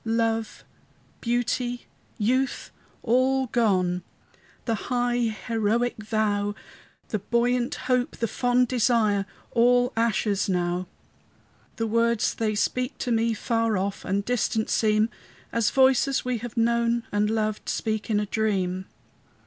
Love, beauty, youth, all gone! The high, heroic vow, The buoyant hope, the fond desire, All ashes now! The words they speak to me Far off and distant seem, As voices we have known and loved Speak in a dream.